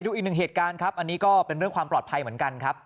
อีกหนึ่งเหตุการณ์ครับอันนี้ก็เป็นเรื่องความปลอดภัยเหมือนกันครับ